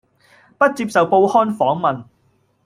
不接受報刊訪問